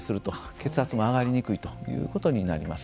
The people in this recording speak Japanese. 血圧も上がりにくいということになります。